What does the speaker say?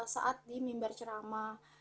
saat dimimbar ceramah